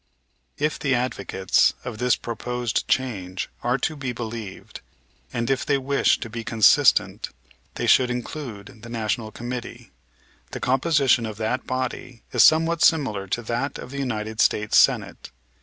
If the advocates of this proposed change are to be believed, and if they wish to be consistent, they should include the National Committee. The composition of that body is somewhat similar to that of the United States Senate.